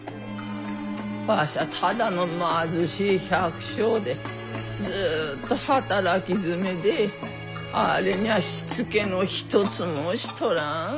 わしゃただの貧しい百姓でずっと働きづめであれにゃあしつけの一つもしとらん。